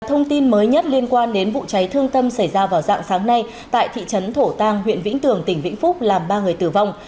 thông tin mới nhất liên quan đến vụ cháy thương tâm xảy ra vào dạng sáng nay tại thị trấn thổ tàng huyện vĩnh tường tỉnh vĩnh phúc làm ba người tử vong